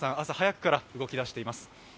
朝早くから動き出しています。